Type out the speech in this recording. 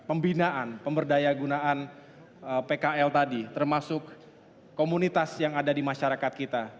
pembinaan pemberdaya gunaan pkl tadi termasuk komunitas yang ada di masyarakat kita